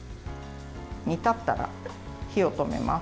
煮立ったら、火を止めます。